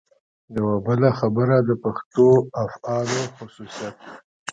یوه بله خبره د پښتو افعالو خصوصیت.